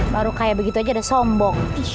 baru kayak begitu aja ada sombong